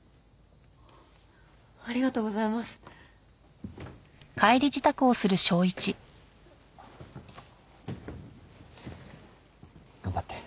ありがとうございます。頑張って。